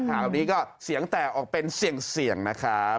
ข่าวนี้ก็เสียงแตกออกเป็นเสี่ยงนะครับ